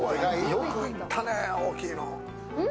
よくいったね、大きいの。